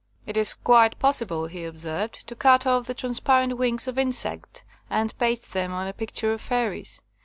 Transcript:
'' *It is quite possible,' he observed, Ho cut off the transparent wings of insects and paste them on a picture of fairies.